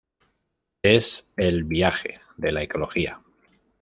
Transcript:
Es el "viaje" de la ecología.